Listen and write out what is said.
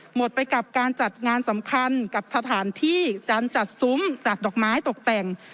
หมดไปกับการจัดงานสำคัญกับสถานที่การจัดซุ้มจากดอกไม้ตกแต่ง